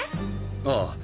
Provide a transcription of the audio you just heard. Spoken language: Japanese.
ああ。